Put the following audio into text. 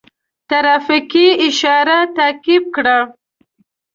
ترافیکي اشاره تعقیب کړه.